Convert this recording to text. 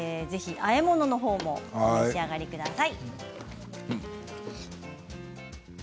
あえ物の方もお召し上がりください。